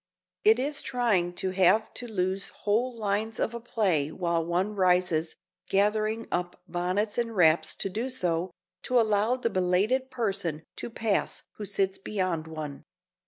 It is trying to have to lose whole lines of a play while one rises, gathering up bonnets and wraps to do so, to allow the belated person to pass who sits beyond one.